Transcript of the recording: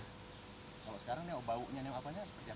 kalau sekarang bau nya apa